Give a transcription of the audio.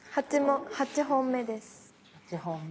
８本目です。